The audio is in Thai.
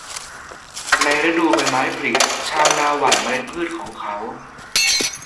ในฤดูใบไม้ผลิ ชาวนาหว่านเมล็ดพืชของเขา